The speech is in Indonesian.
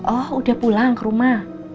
oh udah pulang ke rumah